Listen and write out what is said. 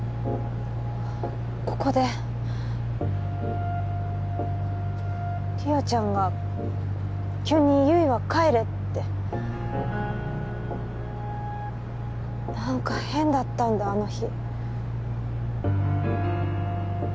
ここで莉桜ちゃんが急に悠依は帰れって何かヘンだったんだあの日